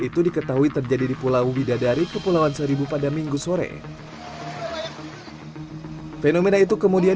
itu diketahui terjadi di pulau widadari kepulauan seribu pada minggu sore fenomena itu kemudian